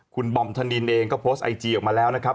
คุณบอมธนินเองก็โพสต์ไอจีออกมาแล้วนะครับ